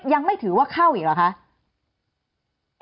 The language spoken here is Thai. ยังไม่ถือว่าเข้าอีกเหรอคะ